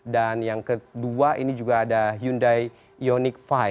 dan yang kedua ini juga ada hyundai ioniq lima